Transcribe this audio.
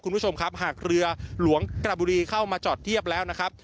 คุณผู้ชมครับหากเรือหลวงกระบุรีเข้ามาจอดเทียบแล้วนะครับ